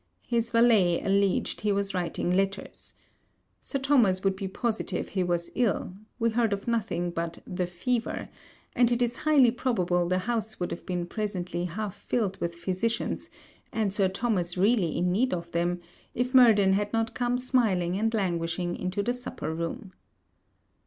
His valet alledged he was writing letters. Sir Thomas would be positive he was ill; we heard of nothing but the fever, and it is highly probable the house would have been presently half filled with physicians, and Sir Thomas really in need of them, if Murden had not come smiling and languishing into the supper room.